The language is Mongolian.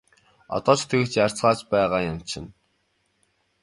Одоо ч тэгж ярьцгааж байгаа юм чинь!